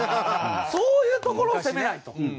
そういうところを攻めないと。